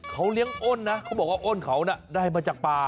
เขาเลี้ยงอ้นนะเขาบอกว่าอ้นเขาน่ะได้มาจากป่า